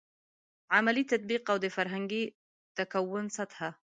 عملي تطبیق او د فرهنګي تکون سطحه.